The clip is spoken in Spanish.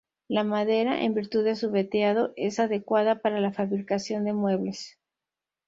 La madera, en virtud de su veteado, es adecuada para la fabricación de muebles.